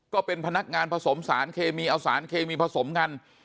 ก็เป็นพนักงานผสมสารเคมีเอาสารเคมีผสมกัน